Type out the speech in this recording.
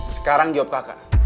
sekarang jawab kakak